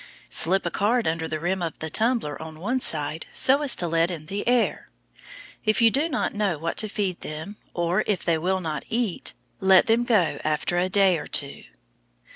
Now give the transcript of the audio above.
Slip a card under the rim of the tumbler on one side so as to let in the air. If you do not know what to feed them, or if they will not eat, let them go after a day or two.